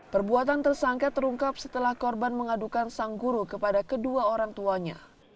perbuatan tersangka terungkap setelah korban mengadukan sang guru kepada kedua orang tuanya